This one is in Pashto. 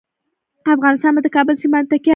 افغانستان په د کابل سیند باندې تکیه لري.